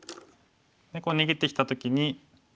逃げてきた時に。